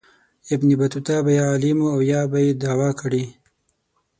ابن بطوطه به یا عالم و او یا به یې دعوه کړې.